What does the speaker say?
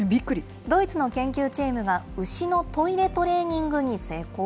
ドイツの研究チームが牛のトイレトレーニングに成功？